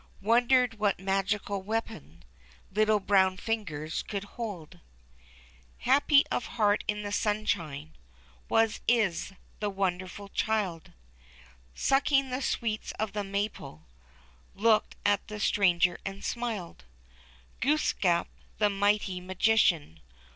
Wondered what magical weapon Little brown fingers could hold WASIS THE CONQUEROR. 3II Happy of heart in the sunshine, Wasis, the wonderful Child, Sucking the sweets of the maple, Looked at the stranger and smiled. Glooskap, the mighty magician.